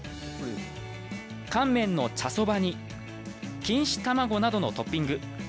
乾麺の茶そばに錦糸卵などのトッピング。